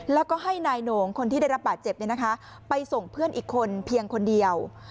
แล้วก็ให้นายโหน่งคนที่ได้รับบาดเจ็บไปส่งเพื่อนอีกคนเพียงคนเดียว